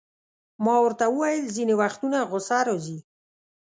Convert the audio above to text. ما ورته وویل: ځیني وختونه غصه راځي.